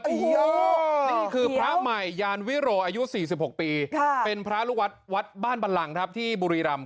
นี่คือพระใหม่ยานวิโรอายุ๔๖ปีเป็นพระลูกวัดวัดบ้านบันลังครับที่บุรีรำ